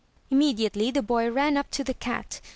Immediately the boy ran up to the cat.